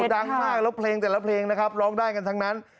ดังมากแล้วเพลงแต่ละเพลงนะครับร้องได้กันทั้งนั้น